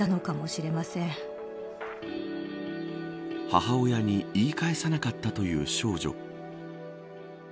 母親に言い返さなかったという少女。